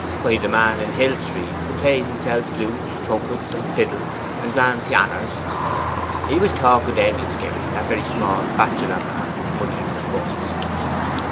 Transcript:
'Why, the man in Hill Street, who plays and sells flutes, trumpets, and fiddles, and grand pehanners. He was talking to Egloskerry, that very small bachelor man with money in the funds.